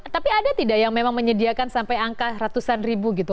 tapi ada tidak yang memang menyediakan sampai angka ratusan ribu gitu